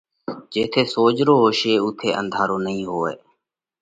جيٿئہ سوجھرو هوشي اُوٿئہ انڌارو نئين هوئہ